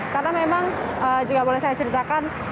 karena memang juga boleh saya ceritakan